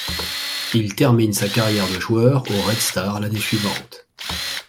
Il termine sa carrière de joueur au Red Star l'année suivante.